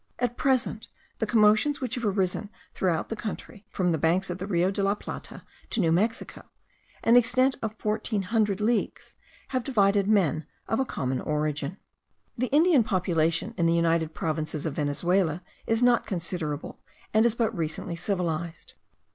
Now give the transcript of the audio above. At present, the commotions which have arisen throughout the country, from the banks of the Rio de la Plata to New Mexico, an extent of fourteen hundred leagues, have divided men of a common origin. The Indian population in the united provinces of Venezuela is not considerable, and is but recently civilized.